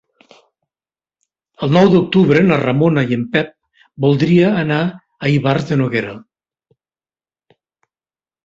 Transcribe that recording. El nou d'octubre na Ramona i en Pep voldria anar a Ivars de Noguera.